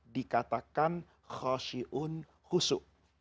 dikatakan khasiyun husu